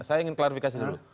saya ingin klarifikasi dulu